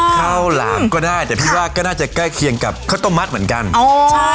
ข้าวหลามก็ได้แต่พี่ว่าก็น่าจะใกล้เคียงกับข้าวต้มมัดเหมือนกันอ๋อใช่